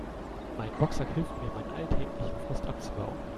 Mein Boxsack hilft mir, meinen alltäglichen Frust abzubauen.